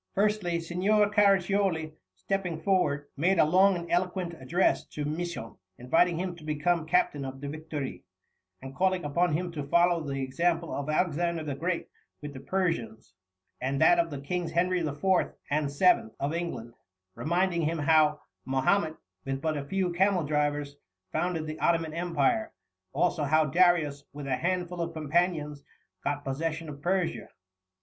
Firstly, Signor Caraccioli, stepping forward, made a long and eloquent address to Misson, inviting him to become captain of the Victoire, and calling upon him to follow the example of Alexander the Great with the Persians, and that of the Kings Henry IV. and VII. of England, reminding him how Mahomet, with but a few camel drivers, founded the Ottoman Empire, also how Darius, with a handful of companions, got possession of Persia.